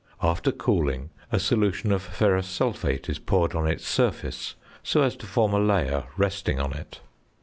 After cooling, a solution of ferrous sulphate is poured on its surface, so as to form a layer resting on it.